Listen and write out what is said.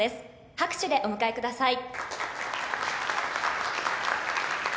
拍手でお迎えください。